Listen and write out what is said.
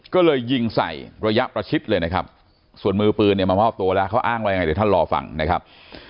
ก็เลยยิงใส่ระยะประชิดเลยนะครับส่วนมือปืนเนี่ยมามอบตัวแล้วเขาอ้างว่ายังไงเดี๋ยวท่านรอฟังนะครับ